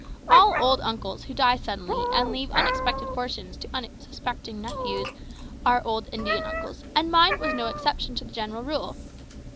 All old uncles who die suddenly and leave unexpected fortunes to unsuspecting nephews are old Indian uncles, and mine was no exception to the general rule.